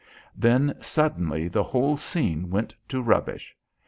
Then suddenly the whole scene went to rubbish.